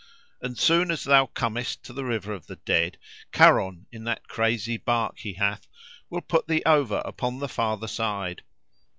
And soon as thou comest to the river of the dead, Charon, in that crazy bark he hath, will put thee over upon the further side.